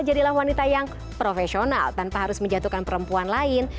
jadilah wanita yang profesional tanpa harus menjatuhkan perempuan lain